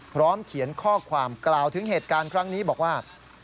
พร้อมเขียนข้อความกล่าวถึงเหตุการณ์ครั้งนี้บอกว่า